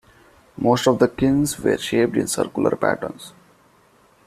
Most of the kilns were shaped in circular patterns.